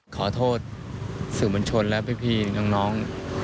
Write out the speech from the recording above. ขอโทษสื่อมวลชนและพี่น้อง